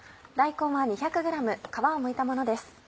大根は２００ｇ皮をむいたものです。